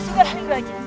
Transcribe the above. sudahlah lindu aji